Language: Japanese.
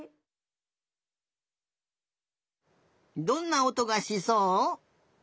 どんなおとがしそう？